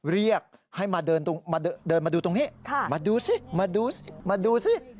เรียกให้มาเดินมาดูตรงนี้มาดูสิมาดูมาดูสิ